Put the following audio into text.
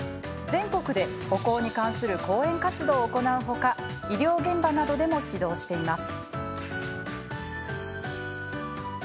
全国で歩行に関する講演活動を行うほか医療現場などでも指導しています。